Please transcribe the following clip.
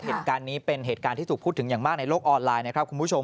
เหตุการณ์นี้เป็นเหตุการณ์ที่ถูกพูดถึงอย่างมากในโลกออนไลน์นะครับคุณผู้ชม